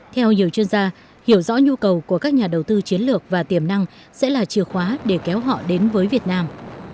theo nhiều chuyên gia hiểu rõ nhu cầu của các nhà đầu tư chiến lược và tiềm năng sẽ là chìa khóa để kéo họ đến với việt nam